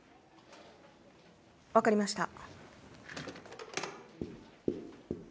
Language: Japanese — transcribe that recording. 分かりました。